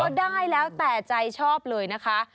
ได้แล้วแต่ใจชอบเลยนะคะ